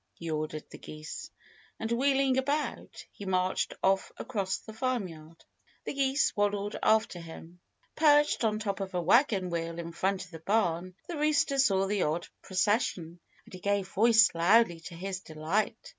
he ordered the geese. And wheeling about, he marched off across the farmyard. The geese waddled after him. Perched on top of a wagon wheel in front of the barn, the rooster saw the odd procession. And he gave voice loudly to his delight.